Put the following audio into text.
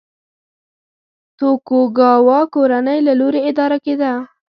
توکوګاوا کورنۍ له لوري اداره کېده.